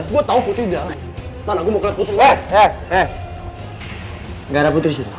gak ada putri disini